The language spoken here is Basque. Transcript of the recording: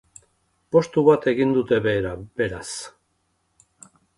Postu bat egin dute behera, beraz.